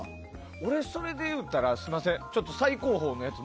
それで言うたらすみません、最高峰のやつ